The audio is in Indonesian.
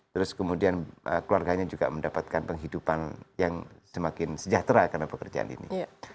terus kemudian keluarganya juga mendapatkan penghidupan yang semakin sejahtera karena pekerjaan ini